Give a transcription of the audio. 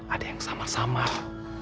ada yang samar samar